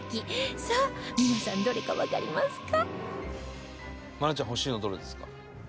さあ皆さんどれかわかりますか？